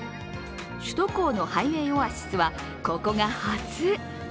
首都高のハイウェイオアシスは、ここが初。